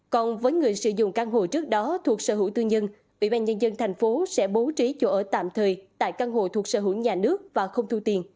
còn với người sử dụng căn hộ trước đó thuộc sở hữu tư nhân bộ y tế sẽ bố trí chỗ ở tạm thời tại căn hộ thuộc sở hữu nhà nước và không thu tiền